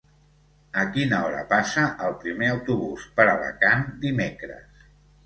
A quina hora passa el primer autobús per Alacant dimecres?